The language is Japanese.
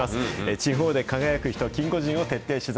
地方で輝く人、キンゴジンを徹底取材。